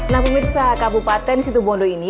nah pemirsa kabupaten situbondo ini